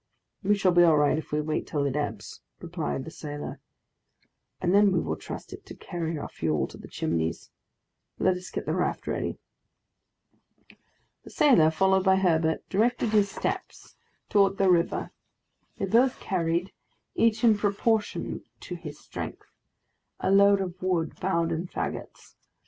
"We shall be all right if we wait till it ebbs," replied the sailor, "and then we will trust it to carry our fuel to the Chimneys. Let us get the raft ready." The sailor, followed by Herbert, directed his steps towards the river. They both carried, each in proportion to his strength, a load of wood bound in fagots.